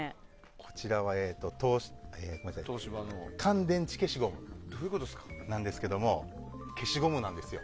こちらは乾電池消しゴムなんですけど消しゴムなんですよ。